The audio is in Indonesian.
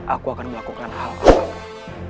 aku akan melakukan hal apapun